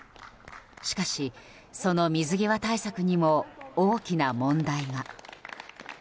しかし、その水際対策にも大きな問題が。